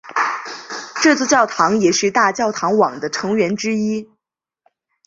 这座教堂也是大教堂网的成员之一。